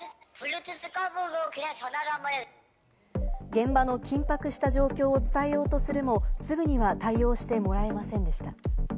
現場の緊迫した状況を伝えようとするも、すぐには対応してもらえませんでした。